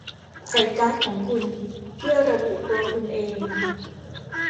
ใส่การ์ดของคุณเพื่อระบุตัวคุณเอง